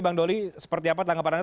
bang doli seperti apa tanggapan anda